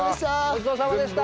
ごちそうさまでした！